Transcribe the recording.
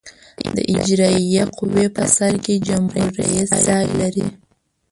د اجرائیه قوې په سر کې جمهور رئیس ځای لري.